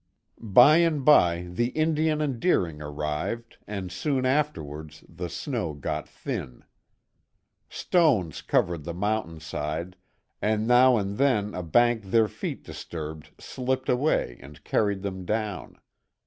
By and by the Indian and Deering arrived and soon afterwards the snow got thin. Stones covered the mountain side and now and then a bank their feet disturbed slipped away and carried them down.